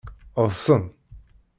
Ḍḍsen.